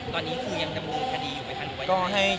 ตอนนี้คุณยังดำเนินคดีอยู่ไหมครับ